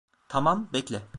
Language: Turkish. Tamam, bekle.